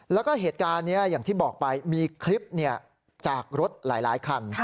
แล้วก็เหตุการณ์นี้อย่างที่บอกไปมีคลิปจากรถหลายคัน